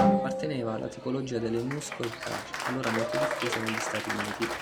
Apparteneva alla tipologia delle muscle car, allora molto diffusa negli Stati Uniti.